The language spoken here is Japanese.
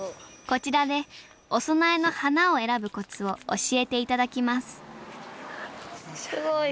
こちらでお供えの花を選ぶコツを教えて頂きますすごい。